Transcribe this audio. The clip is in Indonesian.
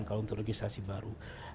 kalau untuk registrasi baru